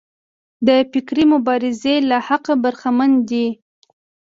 د فکري مبارزې له حقه برخمن دي.